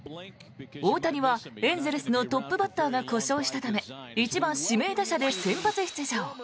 大谷はエンゼルスのトップバッターが故障したため１番指名打者で先発出場。